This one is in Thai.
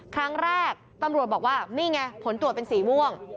ครั้งแรกตำรวจบอกว่านี่ไงผลตรวจเป็นสีม่วง